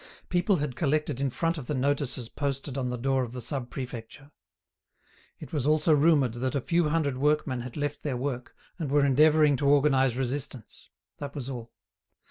People had collected in front of the notices posted on the door of the Sub Prefecture; it was also rumoured that a few hundred workmen had left their work and were endeavouring to organise resistance. That was all.